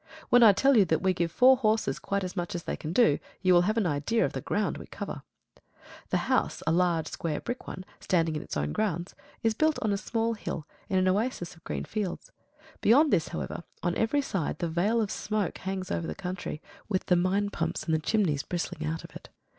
When I tell you that we give four horses quite as much as they can do, you will have an idea of the ground we cover. The house, a large square brick one, standing in its own grounds, is built on a small hill in an oasis of green fields. Beyond this, however, on every side the veil of smoke hangs over the country, with the mine pumps and the chimneys bristling out of it.